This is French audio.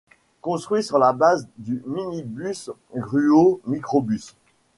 Construit sur la base du minibus Gruau Microbus.